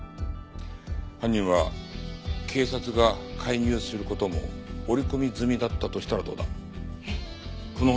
犯人は警察が介入する事も織り込み済みだったとしたらどうだ？えっ？